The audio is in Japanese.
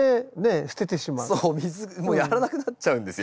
もうやらなくなっちゃうんですよ。